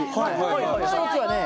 一つはね